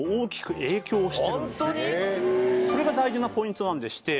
それが大事なポイントなんでして